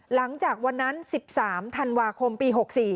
หลังจากวันนั้น๑๓ธันวาคมปี๖๔